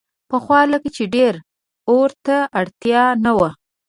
پخوا لکه چې ډېر اور ته اړتیا نه وه.